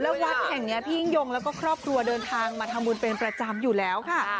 แล้ววัดแห่งนี้พี่ยิ่งยงแล้วก็ครอบครัวเดินทางมาทำบุญเป็นประจำอยู่แล้วค่ะ